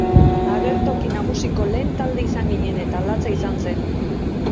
Agertoki nagusiko lehen talde izan ginen, eta latza izan zen.